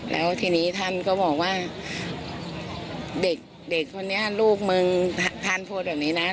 แล้วทีนี้ท่านก็บอกว่าเด็กคนนี้ลูกมึงท่านพูดแบบนี้นะ